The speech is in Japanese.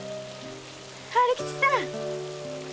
春吉さん！